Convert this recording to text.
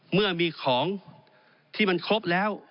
เมื่อมีของที่มันครบแล้ว